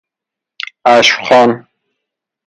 عشر خوان